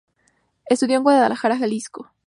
Estudio en Guadalajara, Jalisco.